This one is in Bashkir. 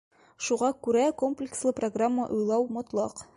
Шуға күрә комплекслы программа уйлау мотлаҡ.